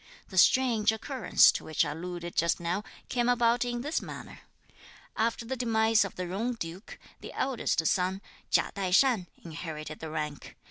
The strange occurrence, to which I alluded just now, came about in this manner. After the demise of the Jung duke, the eldest son, Chia Tai shan, inherited the rank.